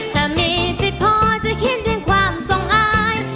ถ้ามีสิทธิ์พอจะเขียนเรื่องความสงอาย